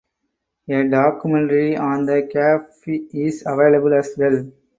A documentary on the cafe is available as well.